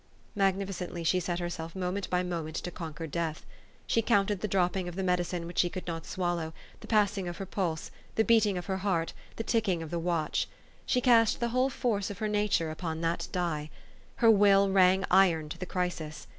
Magnificently she set herself moment by moment to conquer death. She counted the dropping of the medicine which she could not swallow, the passing of her pulse, the beating of her heart, the ticking of the watch. She cast the whole force of her nature upon that die. Her will rang iron to the crisis.